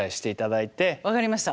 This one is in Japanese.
分かりました。